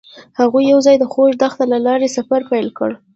هغوی یوځای د خوږ دښته له لارې سفر پیل کړ.